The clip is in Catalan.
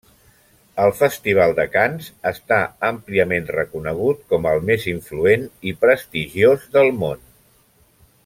El Festival de Canes està àmpliament reconegut com el més influent i prestigiós del món.